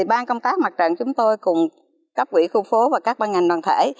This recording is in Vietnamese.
an công tác mặt trận chúng tôi cùng các ủy khu phố và các ban ngành đoàn thể